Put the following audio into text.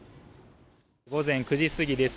午前９時過ぎです。